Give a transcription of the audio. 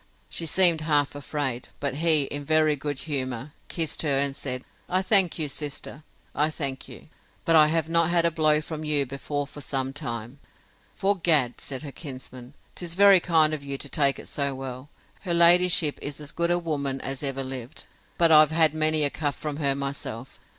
She seemed half afraid: but he, in very good humour, kissed her, and said, I thank you, sister, I thank you. But I have not had a blow from you before for some time! 'Fore gad, said her kinsman, 'tis very kind of you to take it so well. Her ladyship is as good a woman as ever lived; but I've had many a cuff from her myself.